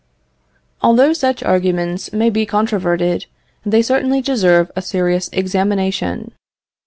Although such arguments may be controverted, they certainly deserve a serious examination.